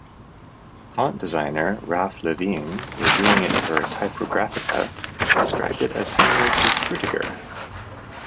Font designer Raph Levien, reviewing it for "Typographica", described it as similar to Frutiger.